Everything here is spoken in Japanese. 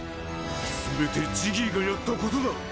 全てジギーがやったことだ。